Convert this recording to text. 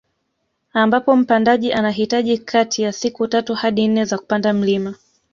Ambapo mpandaji anahitaji kati ya siku tatu hadi nne za kupanda mlima